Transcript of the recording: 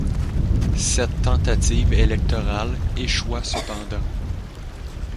Cette tentative électorale échoua cependant.